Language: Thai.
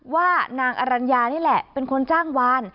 ว่านางอรัญญานี่แหละเป็นคนจ้างวาน